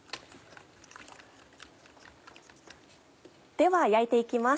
では焼いて行きます。